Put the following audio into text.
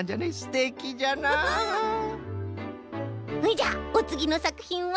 じゃあおつぎのさくひんは？